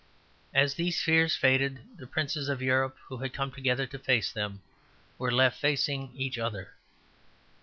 As these fears faded the princes of Europe, who had come together to face them, were left facing each other.